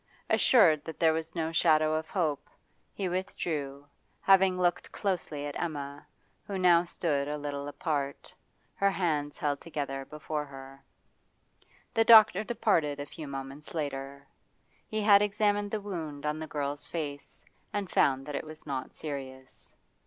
Assured that there was no shadow of hope, he withdrew, having looked closely at Emma, who now stood a little apart, her hands held together before her. The doctor departed a few moments later. He had examined the wound on the girl's face, and found that it was not serious.